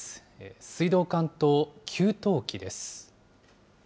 水道管と給湯器です。